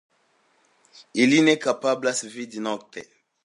Ili ne kapablas vidi nokte.